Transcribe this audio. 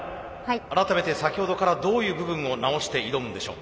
改めて先ほどからどういう部分を直して挑むんでしょう？